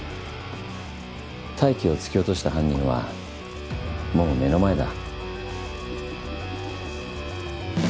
泰生を突き落とした犯人はもう目の前だ。